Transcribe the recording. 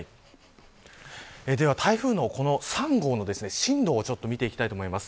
では、台風３号の進路を見ていきたいと思います。